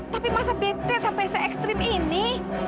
tapi masa bete sampai se ekstrim ini